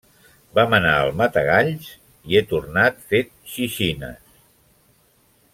Vam anar al Matagalls i he tornat fet xixines.